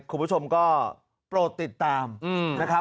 คุณผู้ชมก็โปรดติดตามนะครับ